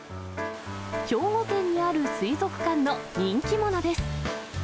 兵庫県にある水族館の人気者です。